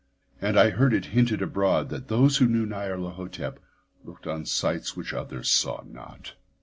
And I heard it hinted abroad that those who knew Nyarlathotep looked on sights which others saw not.